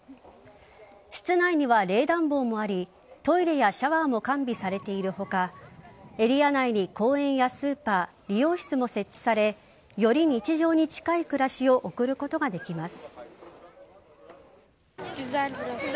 室内には冷暖房もありトイレやシャワーも完備されている他エリア内に公園やスーパー理容室も設置されより日常に近い暮らしを送ることができます。